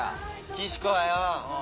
岸子はよ。